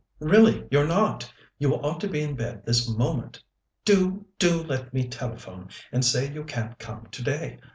Really you're not; you ought to be in bed this moment. Do, do let me telephone and say you can't come today.